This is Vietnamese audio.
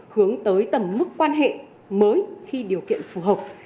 hướng tới tầm mức quan hệ mới khi điều kiện phù hợp